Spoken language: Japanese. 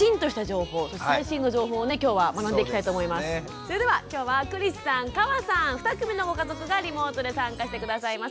それでは今日は栗栖さん河さん２組のご家族がリモートで参加して下さいます。